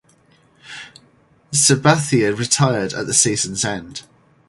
Sabathia retired at the season’s end.